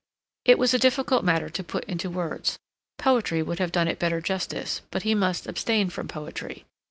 It was a difficult matter to put into words; poetry would have done it better justice, but he must abstain from poetry.